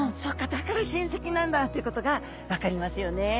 だから親せきなんだということが分かりますよね。